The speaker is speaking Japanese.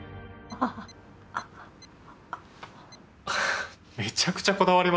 フフッめちゃくちゃこだわりますね。